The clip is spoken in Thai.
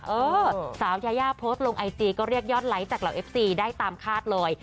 เออสาวยายาโพสต์ลงไอจีก็เรียกยอดไลค์จากเหล่าเอฟซีได้ตามคาดเลย